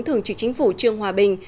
thường trực chính phủ trương hòa bình